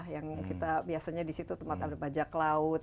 yang kita biasanya di situ tempat ada bajak laut